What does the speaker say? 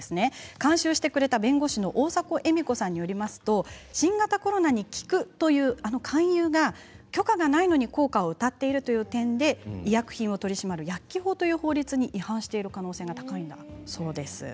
監修してくれた弁護士の大迫惠美子さんによりますと新型コロナに効くという勧誘が許可がないのに効果をうたっているという点で医薬品を取り締まる薬機法という法律に反している可能性が高いんだそうです。